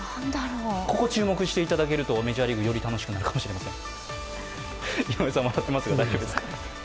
ここ注目していただけるとメジャーリーグ、より楽しくなるかもしれません。